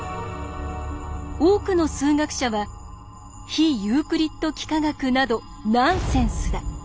多くの数学者は「非ユークリッド幾何学などナンセンスだ。